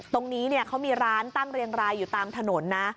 ตรงนี้เขามีร้านตั้งเรียงรายอยู่ตามถนนนะ